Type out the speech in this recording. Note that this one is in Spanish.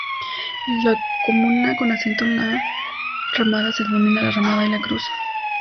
La comuna con asiento en La Ramada se denomina La Ramada y La Cruz.